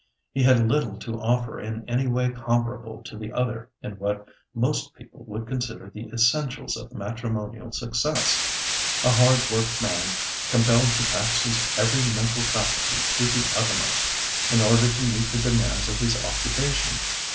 He had little to offer in any way comparable to the other in what most people would consider the essentials of matrimonial success. A hard worked man compelled to tax his every mental faculty to the uttermost, in order to meet the demands of his occupation.